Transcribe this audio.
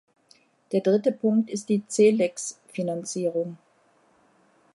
Der dritte Punkt ist die Celex-Finanzierung.